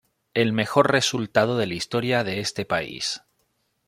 El mejor resultado de la historia de este país.